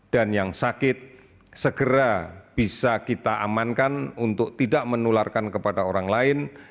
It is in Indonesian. dan yang sakit segera bisa kita amankan untuk tidak menularkan kepada orang lain